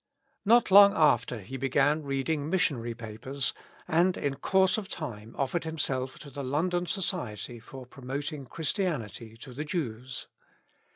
Not long after he began reading missionary papers, and in course of time oSered himself to the IvOndon Society for promoting Christianity to the Jews.